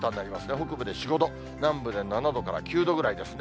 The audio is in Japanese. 北部で４、５度、南部で７度から９度ぐらいですね。